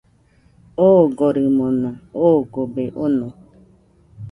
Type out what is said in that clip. Ogorimona ogobe ono.